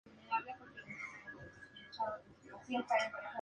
Otras fuentes de alimento importantes pueden ser los ciervos y la carroña.